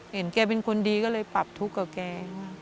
เห็นแกเป็นคนดีก็เลยปรับทุกข์กับแก